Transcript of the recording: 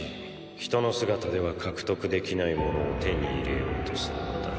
人の姿では獲得できないものを手に入れようとするのだな。